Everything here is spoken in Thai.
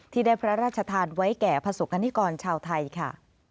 ที่ได้พระราชทานไว้แก่ประสบกรณิกรชาวไทยค่ะ